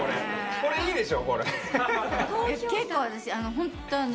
これいいでしょ？